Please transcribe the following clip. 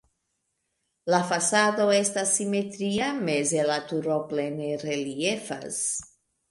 La fasado estas simetria, meze la turo plene reliefas.